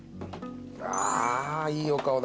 あいいお顔だ。